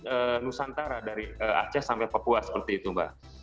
dari nusantara dari aceh sampai papua seperti itu mbak